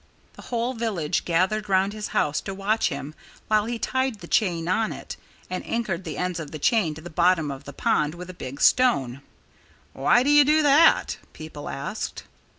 The whole village gathered round his house to watch him while he tied the chain on it and anchored the ends of the chain to the bottom of the pond with a big stone. "Why do you do that?" people asked.